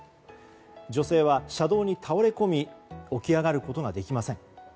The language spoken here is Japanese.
女性は車道に倒れ込み起き上がることができません。